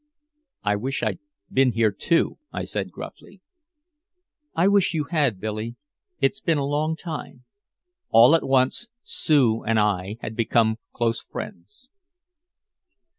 "I wish I'd been here, too," I said gruffly. "I wish you had, Billy it's been a long time." All at once Sue and I had become close friends.